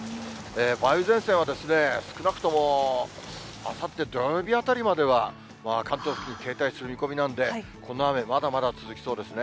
梅雨前線は少なくともあさって土曜日あたりまでは、関東付近、停滞する見込みなんで、この雨、まだまだ続きそうですね。